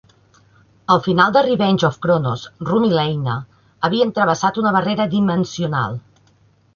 Al final de "Revenge of Cronos", Rom i Leina havien travessat una barrera dimensional.